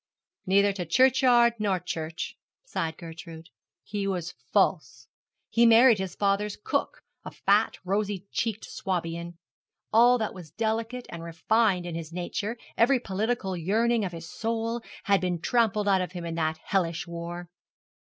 'Neither to churchyard nor church,' sighed Gertrude. 'He was false! He married his father's cook a fat, rosy cheeked Swabian. All that was delicate and refined in his nature, every poetical yearning of his soul, had been trampled out of him in that hellish war!'